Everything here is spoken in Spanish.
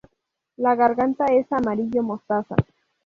La garganta es amarillo mostaza.